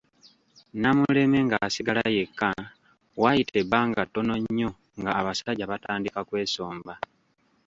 Namuleme ng’asigala yekka, waayita ebbanga ttono nnyo nga abasajja batandika kwesomba.